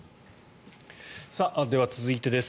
では続いてです。